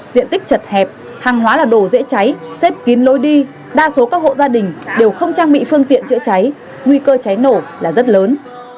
diện tích chật hẹp hàng hóa là đồ dễ cháy xếp kín lối đi đa số các hộ gia đình đều không trang bị phương tiện chữa cháy nguy cơ cháy nổ là rất lớn